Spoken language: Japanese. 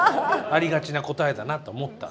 ありがちな答えだなと思った。